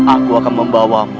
aku akan membawamu